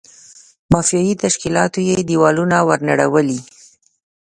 مافیایي تشکیلاتو یې دېوالونه ور نړولي.